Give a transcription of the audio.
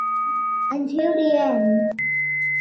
Until the end.